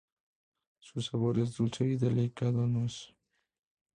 Su sabor es dulce y delicado, a nuez.